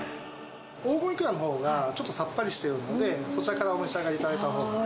黄金いくらのほうがちょっとさっぱりしてるので、そちらからお召し上がりいただいたほうが。